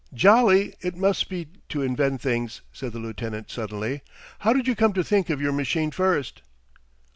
"Jolly it must be to invent things," said the lieutenant suddenly. "How did you come to think of your machine first?"